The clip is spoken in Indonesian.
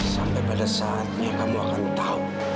sampai pada saatnya kamu akan tahu